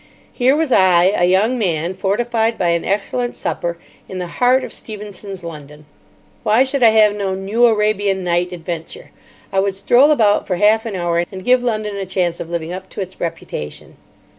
Here was I, a young man, fortified by an excellent supper, in the heart of Stevenson's London. Why should I have no New Arabian Night adventure? I would stroll about for half an hour, and give London a chance of living up to its reputation.